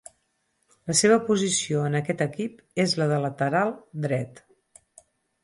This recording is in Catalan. La seva posició en aquest equip és la de lateral dret.